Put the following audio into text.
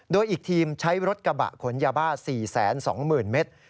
โดยอีกทีมใช้รถกระบะขนยาบ้า๔๒๐๐๐เมตร